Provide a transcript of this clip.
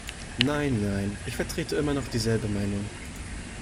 Nein, nein, ich vertrete immer noch dieselbe Meinung.